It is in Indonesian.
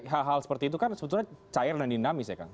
hal hal seperti itu kan sebetulnya cair dan dinamis ya kang